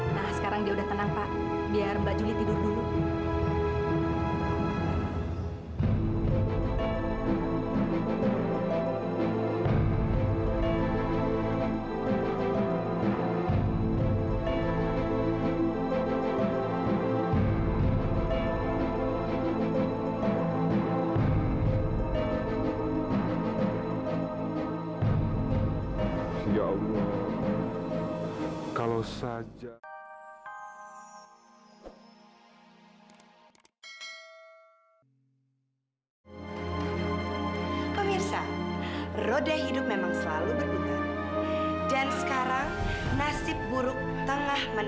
nah sekarang dia udah tenang pak biar mbak juli tidur dulu